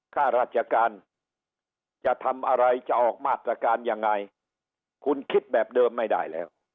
ข้าราชการจะทำอะไรจะออกมาตรการยังไงคุณคิดแบบเดิมไม่ได้แล้ว